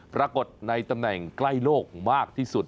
ปรากฏในตำแหน่งใกล้โลกมากที่สุด